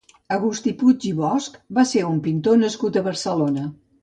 August Puig i Bosch va ser un pintor nascut a Barcelona.